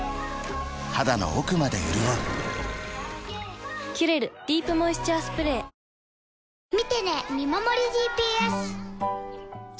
肌の奥まで潤う「キュレルディープモイスチャースプレー」「ビオレＵＶ」